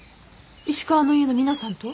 石川の家の皆さんと？